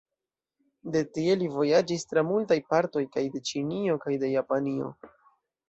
De tie li vojaĝis tra multaj partoj kaj de Ĉinio kaj de Japanio.